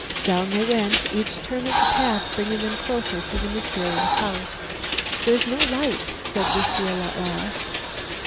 Down they went, each turn of the path bringing them closer to the mysterious house. "There's no light," said Lucile at last.